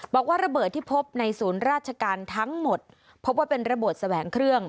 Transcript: บอกว่าระเบิดที่พบในศูนย์ราชการทั้งหมดพบว่าเป็นระเบิดแสวงเครื่อง